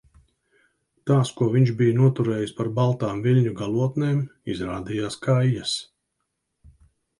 Tās, ko viņš bija noturējis par baltām viļņu galotnēm, izrādījās kaijas.